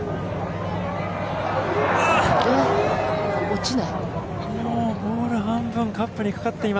落ちない？